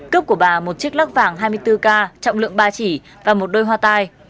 cướp của bà một chiếc lắc vàng hai mươi bốn k trọng lượng ba chỉ và một đôi hoa tai